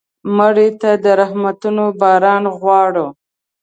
مړه ته د رحمتونو باران غواړو